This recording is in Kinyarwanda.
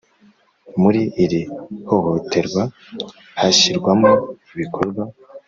Muri iri hohoterwa hashyirwamo ibikorwa